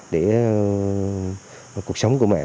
để cuộc sống của mẹ